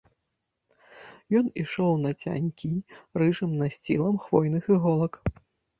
Ён ішоў нацянькі рыжым насцілам хвойных іголак.